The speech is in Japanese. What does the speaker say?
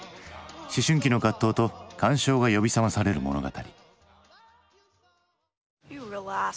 思春期の葛藤と感傷が呼び覚まされる物語。